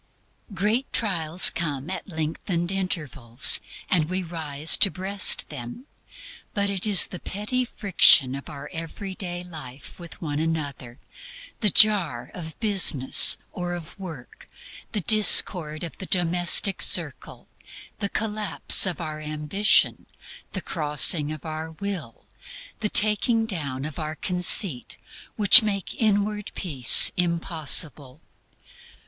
Great trials come at lengthened intervals, and we rise to breast them; but it is the petty friction of our every day life with one another, the jar of business or of work, the discord of the domestic circle, the collapse of our ambition, the crossing of our will or the taking down of our conceit, which make inward peace impossible.